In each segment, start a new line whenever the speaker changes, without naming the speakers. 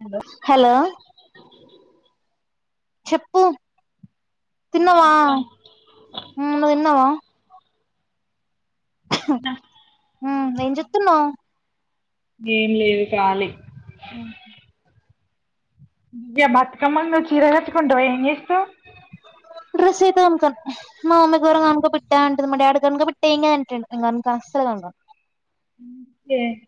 Hello!
చెప్పు తిన్నావా? నువ్వు తిన్నావా? చ్ ఏం చేస్తున్నావు?
ఏం లేదు ఖాళీ.
ఉ
ఇగ బతుకమ్మ ల చీర గట్కుంటవా ఏంచేస్తావు.
రసీతామ్ కర్త్ [unintelligible] మా అమ్మ గురక ను పెట్టా అంటాది. మా డాడి గురక పెట్టేయి ఏం కాదు అంటాడు. నాకు అసలు కాదు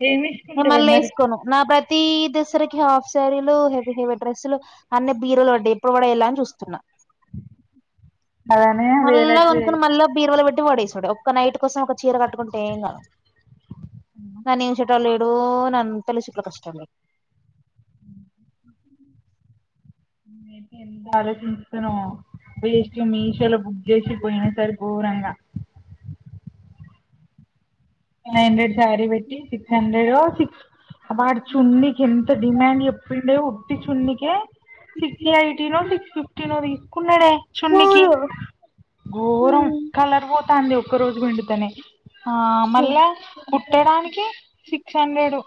ఏమి
నేను
వేసుకుంటావే
మళ్ళీ
మరి
వేసుకోను. నా కైతీ ఈ దసరా కి హాఫ్ శారీలు, హెవీ హెవీ డ్రెస్సులు. అన్నీ బీరువాలోంటాయి ఎప్పుడు పడేయాల అని జూస్తున్నా.
అలానే
మళ్ళా
వేలట్లేదు
కొనుక్కొని మళ్ళా బీరువాలో పెట్టి పడేసుడే. ఒక్క నైట్ కోసం ఒక చీర కట్టుకుంటే ఏం కాదు. పని చేసెట్టోల్లు లేడు నా అంతా లిస్ట్ లోకి వస్తాండారు.
అలోచించా నో వేస్ట్ మీషో లో బుక్ జేసి పోయిన సారి ఘోరంగా. నైహండ్రెడ్ శారీ బెట్టి సిక్స్ హండ్రెడో సిక్స్ అబ్బా చున్నీకి ఎంత డిమాండ్ చెప్పిండే ఉట్టి చున్నికే. సిక్స్ ఏయిటీ నో సిక్స్ ఫిఫ్టీ నో తీసుకున్నాడే చున్నీ కి
లేడు
ఘోరం కలర్ పోతాంది ఒక్క రోజు పిండుతానే ఆ మళ్ళా కుట్టడానికి సిక్స్ హండ్రెడ్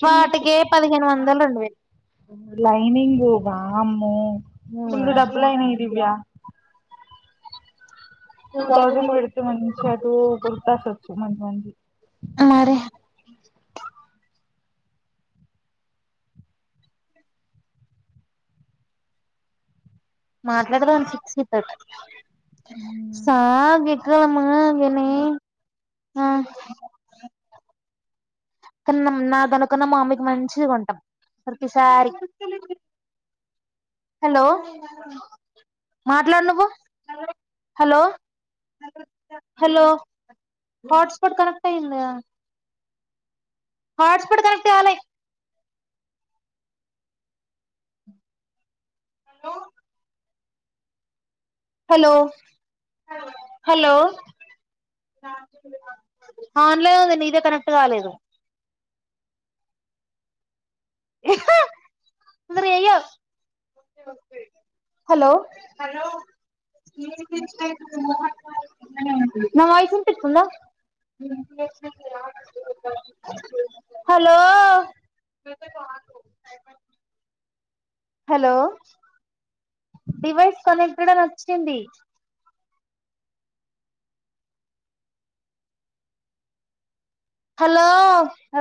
చున్నీకి
వాటికే పదిహేను వందలు రెండు వేలు.
లైనింగ్ వామ్మో పుల్ డబ్బులైనాయి దివ్యా. టూ థౌజండ్ పెడితే మంచిగా టూ కుర్తాసొచ్చు మంచి మంచి
మరే మాట్లాడదాం సిక్స్ కి అట్లా
ఉమ్
సా విక్రమ్ ఏం ఆ కొన్నాం నాకన్నా మా మమ్మీకి మంచిది కొంటాం ప్రతిసారి. హలో మాట్లాడు నువ్వు hello hello hot spot connect అయిందిగా హాట్స్ పాట్ కనెక్ట్ గాలే హలో హలో హలో అవున్లే ఉంది నీదే కనెక్ట్ గాలేదు మరి ఇయ్యవ్ హలో నా వాయిస్ ఇనిపిత్తుందా హలో హలో డివైస్ కనెక్టేడ్ అని అచ్చింది హలో